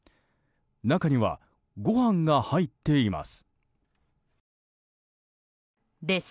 中には、ご飯が入っています。